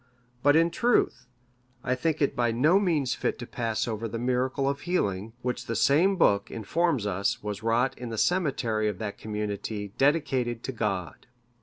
(586) But in truth, I think it by no means fit to pass over the miracle of healing, which the same book informs us was wrought in the cemetery of that community dedicated to God.